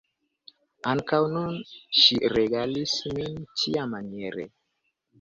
Ankaŭ nun ŝi regalis min tiamaniere.